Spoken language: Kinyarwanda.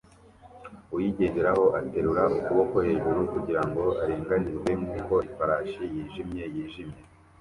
Uyigenderaho aterura ukuboko hejuru kugirango aringanize nkuko ifarashi yijimye yijimye